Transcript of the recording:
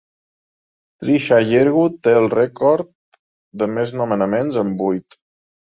Trisha Yearwood té el record de més nomenaments, amb vuit.